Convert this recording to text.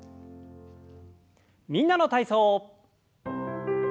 「みんなの体操」。